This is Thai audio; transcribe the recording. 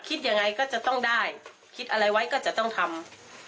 คิดยังไงก็จะต้องได้คิดอะไรไว้ก็จะต้องทำ